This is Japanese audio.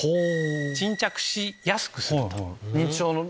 沈着しやすくする。